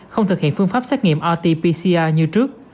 không thực hiện phương pháp xét nghiệm rt pcr như trước